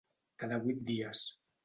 Cada vuit dies.